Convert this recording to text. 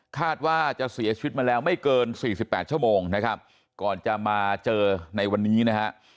คาดว่าจะเสียชีวิตมาแล้วไม่เกิน๔๘ชั่วโมงนะครับก่อนจะมาเจอในวันนี้นะฮะ